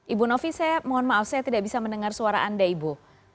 ibu novi saya mohon maaf saya tidak bisa mendengar suara anda ibu